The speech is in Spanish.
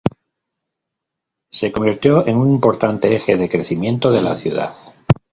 Se convirtió en un importante eje de crecimiento de la ciudad.